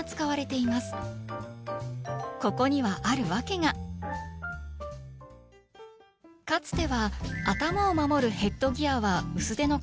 ここにはある訳がかつては頭を守るヘッドギアは薄手の革製でした。